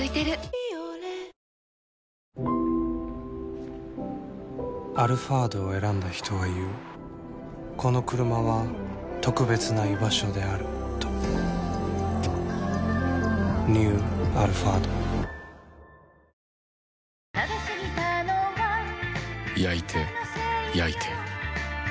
「ビオレ」「アルファード」を選んだ人は言うこのクルマは特別な居場所であるとニュー「アルファード」部屋干しクサくなりそう。